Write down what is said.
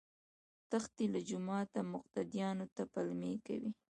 تښتي له جوماته مقتديانو ته پلمې کوي